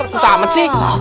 susah amat sih